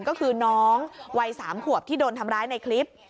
ก็คือน้องวัย๓ขวบที่โดนทำร้ายในคลิป